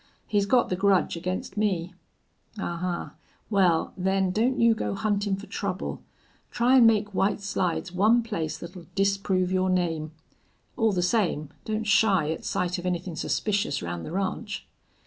He's got the grudge against me." "Ahuh! Wal, then, don't you go huntin' fer trouble. Try an' make White Slides one place thet'll disprove your name. All the same, don't shy at sight of anythin' suspicious round the ranch."